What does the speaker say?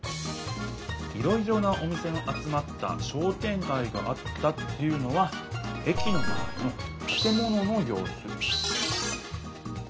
「いろいろなお店の集まった『商店がい』があった」っていうのは駅のまわりのたて物のようす。